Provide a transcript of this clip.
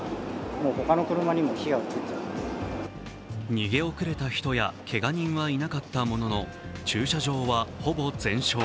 逃げ遅れた人やけが人はいなかったものの駐車場はほぼ全焼。